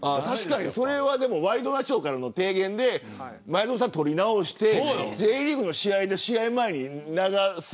ワイドナショーからの提言で前園さんが撮り直してＪリーグの試合で試合前に流す。